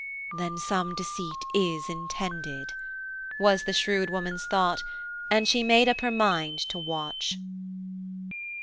"Then some deceit is intended," was the shrewd woman's thought, and she made up her mind to watch.